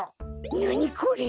なにこれ？